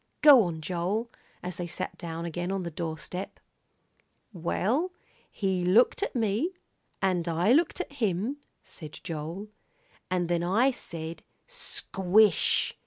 "Go on, Joel," as they sat down again on the doorstep. "Well, he looked at me, and I looked at him," said Joel, "and then I said 'Squish!'